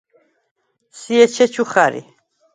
სი ეჩეჩუ ხა̈რი.